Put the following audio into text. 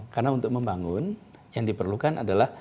karena untuk membangun yang diperlukan adalah